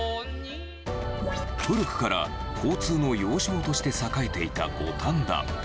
古くから交通の要衝として栄えていた五反田。